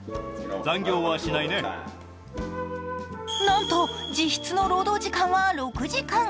なんと実質の労働時間は６時間。